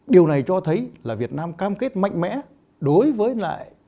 điều này cho thấy là việt nam cam kết mạnh mẽ đối với lại